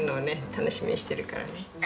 楽しみにしてるからね。